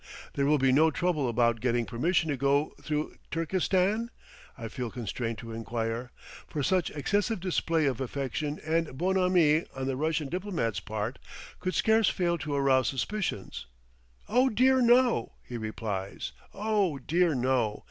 "There will be no trouble about getting permission to go through Turkestan?" I feel constrained to inquire; for such excessive display of affection and bonhommie on the Russian diplomat's part could scarce fail to arouse suspicions. "Oh dear, no!" he replies. "Oh dear, no!